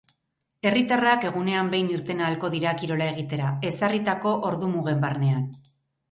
Herritarrak egunean behin irten ahalko dira kirola egitera, ezarritako ordu-mugen barnean.